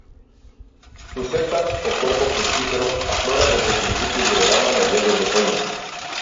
Su seta, o cuerpo fructífero, aflora desde principios de verano a mediados de otoño.